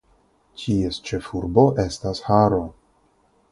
Ties ĉefurbo estas Haro.